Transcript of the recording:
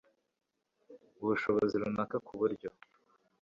ubushobozi runaka ku buryo